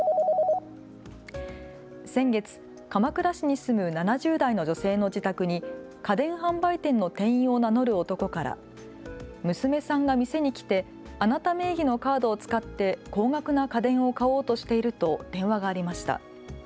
先月、鎌倉市に住む７０代の女性の自宅に家電販売店の店員を名乗る男から娘さんが店に来てあなた名義のカードを使って高額な家電を買おうとしていると電話がありました。